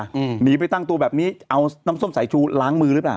หนีไปตั้งตัวแบบนี้เอาน้ำส้มสายชูล้างมือหรือเปล่า